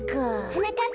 はなかっ